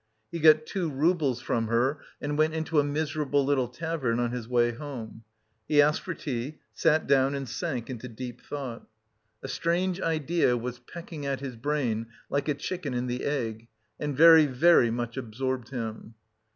He got two roubles from her and went into a miserable little tavern on his way home. He asked for tea, sat down and sank into deep thought. A strange idea was pecking at his brain like a chicken in the egg, and very, very much absorbed him.